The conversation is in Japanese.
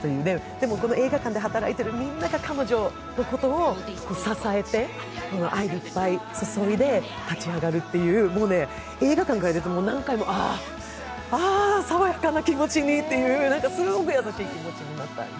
でも、この映画館で働いているみんなが彼女を支えて、愛をいっぱい注いで立ち上がるっていう、もうね、映画館を出て、何回も、あ、爽やかな気持ちってすごく優しい気持ちになった。